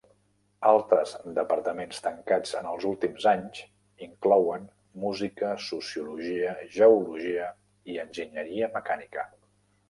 Altres departaments tancats en els últims anys inclouen Música, Sociologia, Geologia i Enginyeria Mecànica.